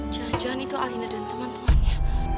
jangan jangan itu alina dan teman temannya